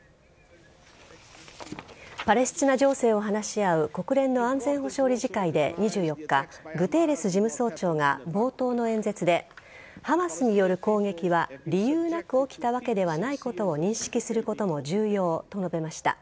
パレスチナ情勢を話し合う国連の安全保障理事会で２４日グテーレス事務総長が冒頭の演説でハマスによる攻撃は理由なく起きたわけではないことを認識することも重要と述べました。